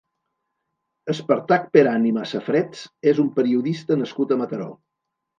Espartac Peran i Masafrets és un periodista nascut a Mataró.